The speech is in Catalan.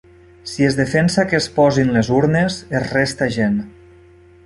Si es defensa que es posin les urnes, es resta gent.